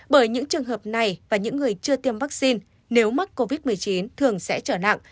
bởi những trường hợp này và những người chưa tiêm vaccine nếu mắc covid một mươi chín thường sẽ trở nặng